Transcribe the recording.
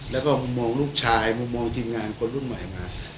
แล้วก็มุมมองลูกชายมุมมองทีมงานคนรุ่นใหม่มา